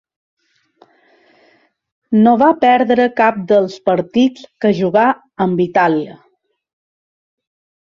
No va perdre cap dels partits que jugà amb Itàlia.